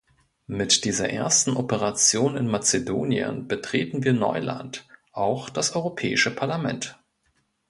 Mit dieser ersten Operation in Mazedonien betreten wir Neuland auch das Europäische Parlament.